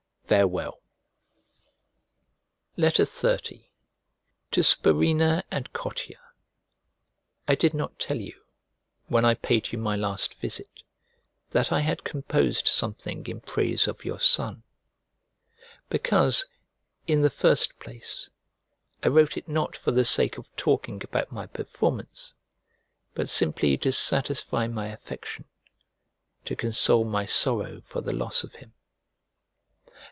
Farewell. XXX To SPURINNA AND COTTIA I DID not tell you, when I paid you my last visit, that I had composed something in praise of your son; because, in the first place, I wrote it not for the sake of talking about my performance, but simply to satisfy my affection, to console my sorrow for the loss of him.